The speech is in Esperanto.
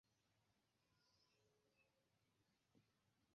Elementa lernejo portas lian nomon.